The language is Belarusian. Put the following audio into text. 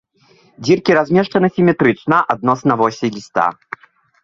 Дзіркі размешчаны сіметрычна адносна восі ліста.